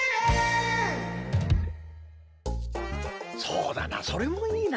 そうだなそれもいいな。